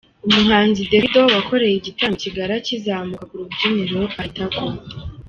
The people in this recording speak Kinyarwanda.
Umuhanzi Davido wakoreye igitaramo i Kigali akizamuka ku rubyiniro ahita agwa.